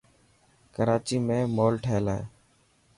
ڪراچي مين مول ٺهيل هي.